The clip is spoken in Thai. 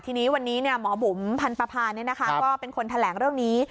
ทีนี้วันนี้หมอบุ๋มพันธภาก็เป็นคนแถลงเรื่องนี้